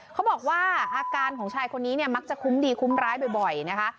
เขาบอกว่าอาการของชายคนนี้เนี่ยมักจะคุ้มดีคุ้มร้ายบ่อยนะคะ